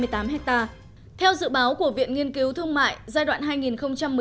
theo dự báo của viện nghiên cứu thương mại giai đoạn hai nghìn một mươi sáu hai nghìn hai mươi